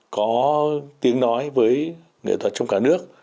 có tiếng nói với nghệ thuật trong cả nước